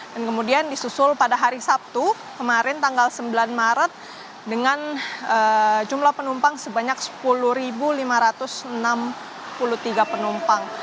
dan kemudian disusul pada hari sabtu kemarin tanggal sembilan maret dengan jumlah penumpang sebanyak sepuluh lima ratus enam puluh tiga penumpang